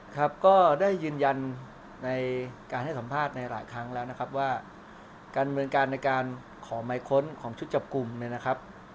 ครับก็ได้ยืนยันในการให้สัมภาษณ์ในหลายครั้งแล้วนะครับว่าการเมืองการในการขอหมายค้นของชุดจับกลุ่มเนี่ยนะครับ